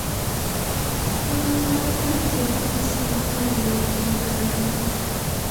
که پروګرامونه ارزیابي نسي نو پایلې یې خرابیږي.